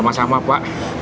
mas johan terima kasih ya